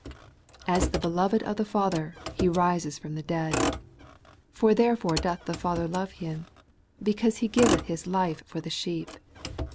As the beloved of the Father, He rises from the dead ; for therefore doth the Father love Him, because He giveth His life for the sheep.